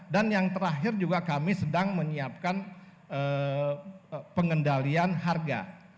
dan yang terakhir juga kami sedang menyiapkan pengendalian harga